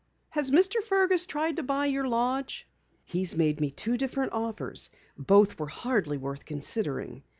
"Has Mr. Fergus tried to buy your lodge?" "He's made me two different offers. Both were hardly worth considering.